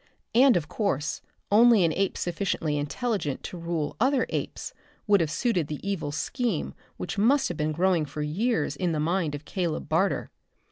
And of course only an ape sufficiently intelligent to rule other apes would have suited the evil scheme which must have been growing for years in the mind of Caleb Barter.